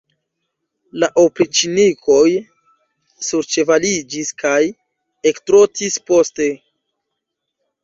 La opriĉnikoj surĉevaliĝis kaj ektrotis poste.